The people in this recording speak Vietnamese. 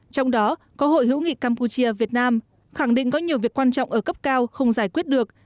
trong đó có hội hữu nghị campuchia việt nam khẳng định có nhiều việc quan trọng ở cấp cao không giải quyết được